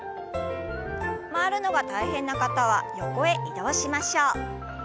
回るのが大変な方は横へ移動しましょう。